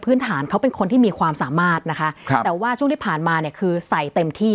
ฐานเขาเป็นคนที่มีความสามารถนะคะครับแต่ว่าช่วงที่ผ่านมาเนี่ยคือใส่เต็มที่